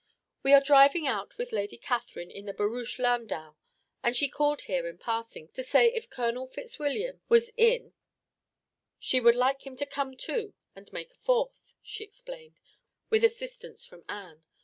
"We are driving out with Lady Catherine in the barouche landau, and she called here in passing, to say if Colonel Fitzwilliam was in she would like him to come too and make a fourth," she explained, with assistance from Anne.